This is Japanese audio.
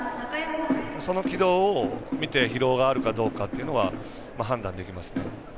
その軌道を見て疲労があるかどうかというのは判断できますね。